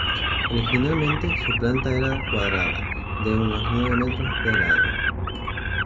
Originalmente, su planta era cuadrada, de unos nueve metros de lado.